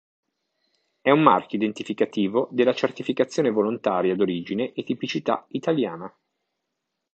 È un marchio identificativo della certificazione volontaria d'origine e tipicità italiana.